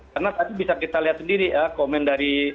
karena tadi bisa kita lihat sendiri ya komen dari